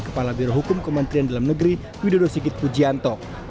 kepala birohukum kementerian dalam negeri widodo sigit pujianto